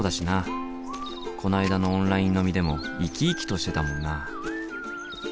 こないだのオンライン飲みでも生き生きとしてたもんな。